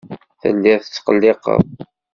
Telliḍ tetqelliqeḍ.